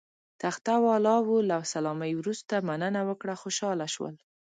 تخته والاو له سلامۍ وروسته مننه وکړه، خوشاله شول.